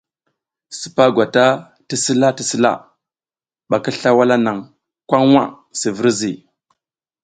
Sipa gwata ti sila ti sila ɓa ki sla wala naŋ kwaŋ ŋha si virzi.